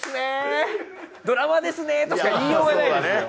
ドラマですねとしか言いようがないです。